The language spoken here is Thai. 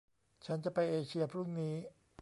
ฉันจะไปเอเชียพรุ่งนี้